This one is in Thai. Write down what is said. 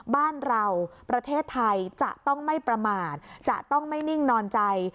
บ้านเราประเทศไทยจะต้องไม่ประมาทจะต้องไม่นิ่งนอนใจ